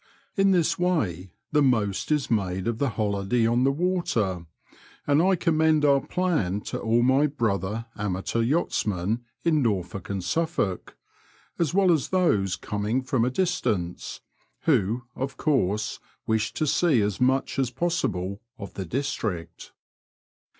In this way the most is made of the holiday Digitized by VjOOQIC POTTER HEIGHAM TO ACLE. 109" on the water, and I commend our plan to all my brother amateur yachtsmen in Norfolk and Suffolk, as well as those coming from a distance, who of course wish to see as much as possible of the district.